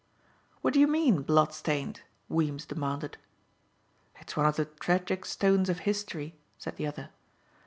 "What do you mean blood stained?" Weems demanded. "It's one of the tragic stones of history," said the other.